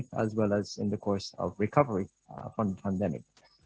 sama seperti dalam perkembangan pandemi